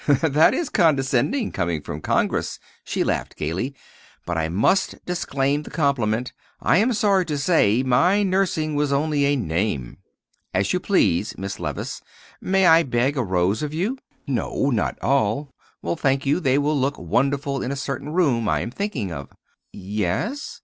"That is condescending, coming from Congress," she laughed gayly; "but I must disclaim the compliment, I am sorry to say; my nursing was only a name." "As you please. Miss Levice, may I beg a rose of you? No, not all. Well, thank you, they will look wonderful in a certain room I am thinking of." "Yes?"